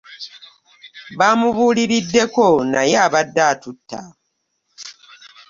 Bamubuuliriddeko naye abadde atutta.